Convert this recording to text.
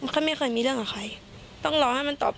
ก็ไม่เคยมีเรื่องกับใครต้องรอให้มันตอบ